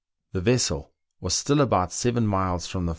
The vessel was still about seven miles from the Falls A.